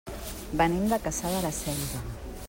Venim de Cassà de la Selva.